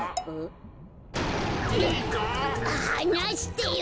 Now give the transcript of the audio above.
はなしてよ。